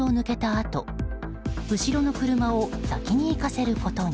あと後ろの車を先に行かせることに。